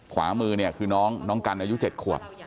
ขวามือเนี่ยคือน้องกันอายุ๗ขวบ